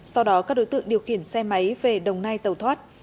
sau đó các đối tượng điều khiển xe máy về đồng nai tàu thoát